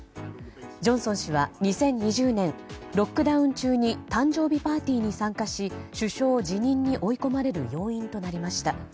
ジョンソン氏は、２０２０年ロックダウン中に誕生日パーティーに参加し首相辞任に追い込まれる要因となりました。